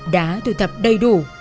đã thu thập đầy đủ